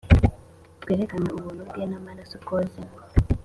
twerekane ubuntu bwe n'amaraso twozemo.